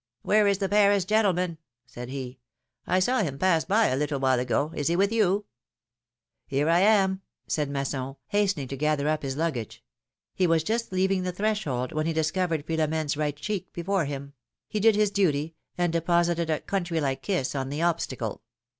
Where is the Paris gentleman?'^ said he. ''I saw him pass by a little while ago; is he with you?'^ ^^Here I ara!^^ said Masson, hastening to gather up his luggage. He was just leaving the threshold when he dis covered Philomene^s right cheek before him; he did his duty, and deposited a country like kiss on the obstacle.